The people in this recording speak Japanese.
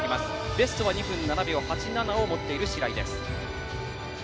ベストは２分２７秒８７を持っている白井です。